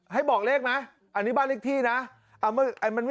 ให้บอกเลขนี่บ้านเองล่ะ